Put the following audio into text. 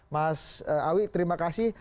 mas awi terima kasih